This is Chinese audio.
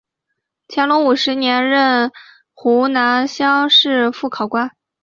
乾隆五十九年任湖南乡试副考官。